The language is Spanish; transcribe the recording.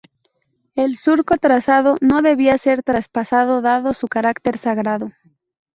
El surco trazado no debía ser traspasado dado su carácter sagrado.